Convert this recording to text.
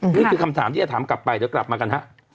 นี่คือคำถามที่จะถามกลับไปเดี๋ยวกลับมากันฮะ